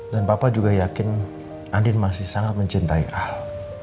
dan papa juga yakin andin masih sangat mencintai al